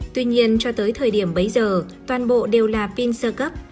tuy nhiên cho tới thời điểm bấy giờ toàn bộ đều là pin sơ cấp